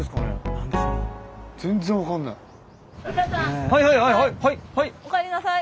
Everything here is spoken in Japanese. はいはいはいはいはい！